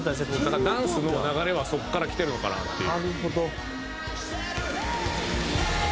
だからダンスの流れはそこからきてるのかなっていう。